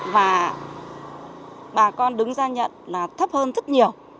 và bà con đứng ra nhận là thấp hơn rất nhiều